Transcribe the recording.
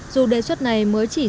dù đề xuất này mới chỉ dựng